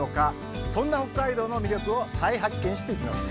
そんな北海道の魅力を再発見していきます。